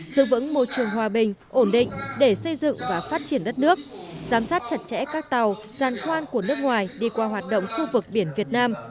giữ vững môi trường hòa bình ổn định để xây dựng và phát triển đất nước giám sát chặt chẽ các tàu gian khoan của nước ngoài đi qua hoạt động khu vực biển việt nam